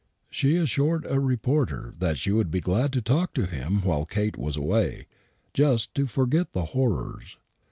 She assured a reporter that she would be glad to talk to him while Kate was away, just to forget the horrors.